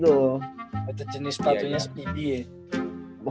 itu jenis sepatunya sepi ya